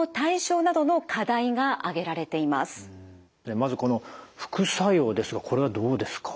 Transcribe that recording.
まずこの副作用ですがこれはどうですか？